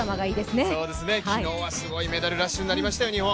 昨日はすごいメダルラッシュになりましたよ、日本。